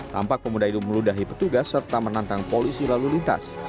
tampak pemuda itu meludahi petugas serta menantang polisi lalu lintas